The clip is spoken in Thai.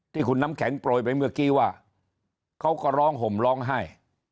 ที่คุณน้ำแข็งโปรยไปเมื่อกี้ว่าเขาก็ร้องห่มร้องไห้